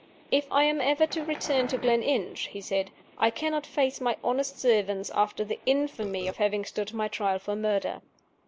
'If I am ever to return to Gleninch,' he said, 'I cannot face my honest servants after the infamy of having stood my trial for murder.